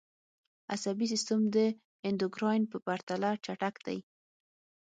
عصبي سیستم د اندوکراین په پرتله چټک دی